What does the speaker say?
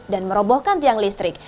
dan merobohkan tiang listrik